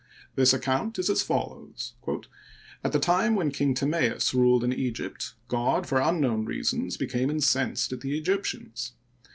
This account is as follows :At the time when King Timaos ruled in Egypt, God for unknown reasons became incensed at the Egyptians.